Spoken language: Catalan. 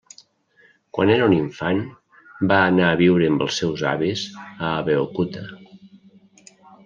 Quan era un infant va anar a viure amb els seus avis a Abeokuta.